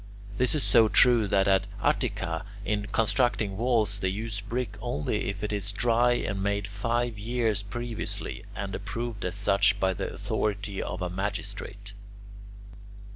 This is so true that at Utica in constructing walls they use brick only if it is dry and made five years previously, and approved as such by the authority of a magistrate.